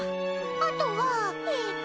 あとはえっと。